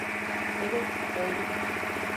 Evet, oldum.